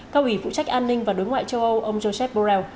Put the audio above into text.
cao ủy phụ trách an ninh và đối ngoại châu âu ông joseph bruel